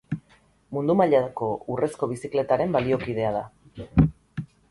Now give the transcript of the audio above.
Mundu mailako Urrezko Bizikletaren baliokidea da.